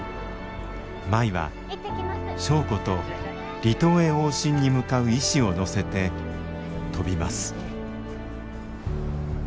舞は祥子と離島へ往診に向かう医師を乗せて飛びます。